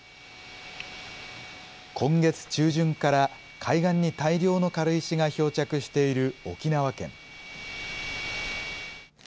今月中旬から海岸に大量の軽石が漂着している沖縄県。